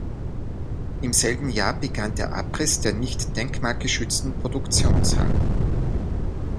Im selben Jahr begann der Abriss der nicht-denkmalgeschützten Produktionshallen.